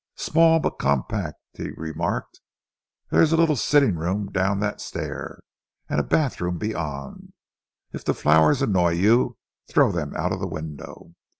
"Small but compact," he remarked. "There is a little sitting room down that stair, and a bathroom beyond. If the flowers annoy you, throw them out of the window.